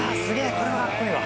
これはかっこいいわ。